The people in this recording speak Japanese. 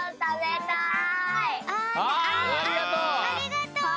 あありがとう。